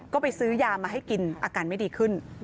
ก็ไปซื้อยามาให้กินอาการไม่ดีขึ้น